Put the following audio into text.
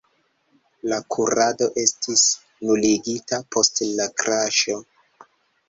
La kurado estis nuligita post la kraŝo.